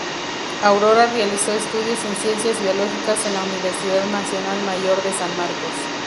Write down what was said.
Aurora realizó estudios en Ciencias Biológicas en la Universidad Nacional Mayor de San Marcos.